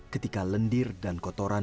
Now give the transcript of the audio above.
ketika lendir dan kotoran